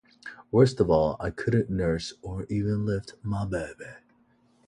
Worst of all, I couldn't nurse, or even lift, my baby.